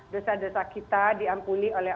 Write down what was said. dosa dosa kita diampuni oleh